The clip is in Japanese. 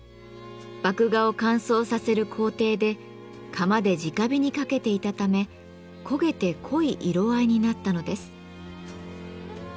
麦芽を乾燥させる工程で釜でじか火にかけていたため焦げて濃い色合いになったのです。